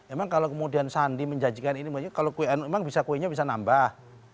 emang kalau kemudian sandi menjanjikan ini maksudnya kalau memang bisa kuenya bisa nambah